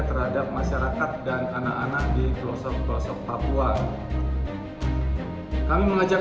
terhadap masyarakat dan anak anak di pelosok pelosok papua kami mengajak